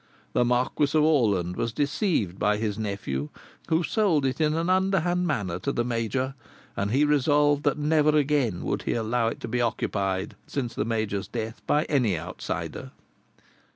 The Marquis of Orland was deceived by his nephew, who sold it in an underhand manner to the major, and he resolved that never again would he allow it to be occupied since the major's death by any outsider."